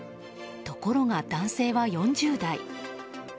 ところが男性は４０代。